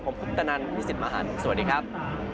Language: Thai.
ผมพุทธนันพิสิทธิ์มหาลสวัสดีครับ